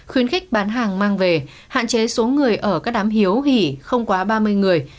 khuyến khích bán hàng mang về hạn chế số người ở các đám hiếu hỉ không quá ba mươi người